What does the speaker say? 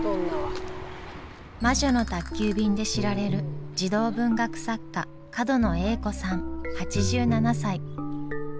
「魔女の宅急便」で知られる児童文学作家角野栄子さん８７歳。